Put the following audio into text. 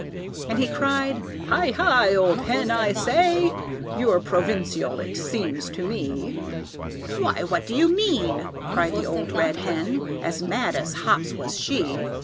And he cried, "Hi! Hi! old hen, I say! You're provincial, it seems to me!" "Why, what do you mean?" cried the old red hen, As mad as hops was she.